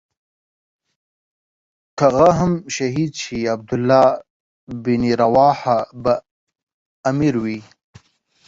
که هغه هم شهید شي عبدالله بن رواحه به امیر وي.